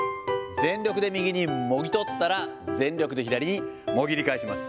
全力で右にもぎ取ったら、全力で左にもぎり返します。